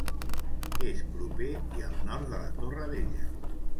És proper i al nord de la Torre Vella.